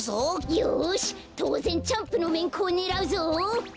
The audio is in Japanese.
よしとうぜんチャンプのめんこをねらうぞ！